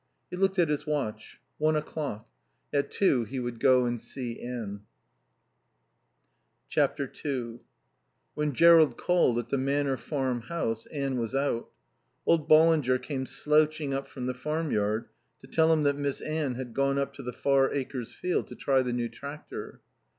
He looked at his watch. One o'clock. At two he would go and see Anne. ii When Jerrold called at the Manor Farm house Anne was out. Old Ballinger came slouching up from the farmyard to tell him that Miss Anne had gone up to the Far Acres field to try the new tractor.